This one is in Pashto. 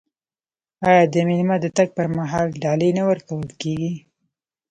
آیا د میلمه د تګ پر مهال ډالۍ نه ورکول کیږي؟